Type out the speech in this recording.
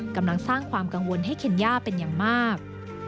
กำลังสร้างความกังวลให้เคนย่าเป็นอย่างมาก